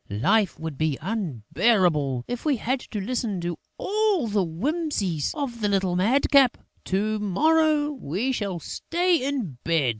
Life would be unbearable if we had to listen to all the whimsies of that little madcap!... To morrow, we shall stay in bed!..."